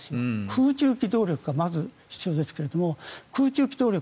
空中機動力がまず必要ですが空中機動力